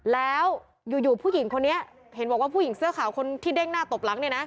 แล้วอยู่ผู้หญิงคนนี้เห็นบอกว่าผู้หญิงเสื้อขาวคนที่เด้งหน้าตบหลังเนี่ยนะ